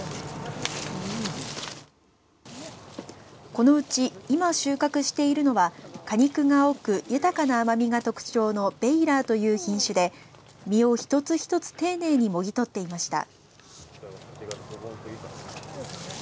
このうち今収穫しているのは果肉が多く豊かな甘味が特徴のベイラーという品種で実を一つ一つ丁寧にもぎ取っていました。